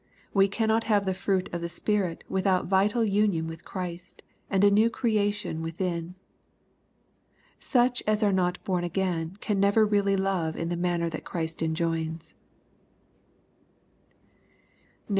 We cannot have the fruit of the Spirit, without vital union with Christ, and a new creation within. Such as are not bom again can never really love in the manner that Christ enjoins.